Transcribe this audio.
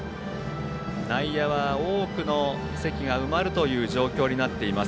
内野は多くの席が埋まるという状況になっています。